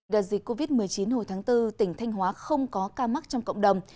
đợt dịch covid một mươi chín hồi tháng bốn tỉnh thanh hóa không có ca mắc trong cộng đồng